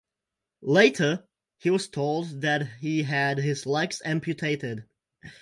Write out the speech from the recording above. Later, he was told that he had his legs amputated.